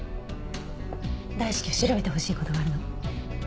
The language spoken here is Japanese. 大至急調べてほしい事があるの。